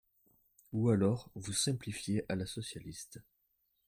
Ou alors, vous simplifiez à la socialiste